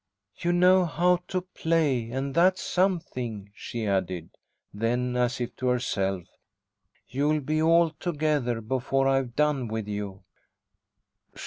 "You know how to play, and that's something," she added. Then, as if to herself, "You'll be altogether before I've done with you."